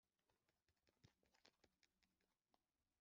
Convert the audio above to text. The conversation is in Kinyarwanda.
n’itabaza rye rimuri hejuru rizazima